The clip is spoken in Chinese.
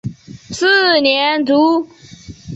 四年卒。